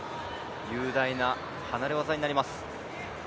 雄大な離れ技になります。